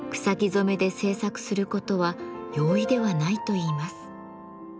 染めで制作することは容易ではないといいます。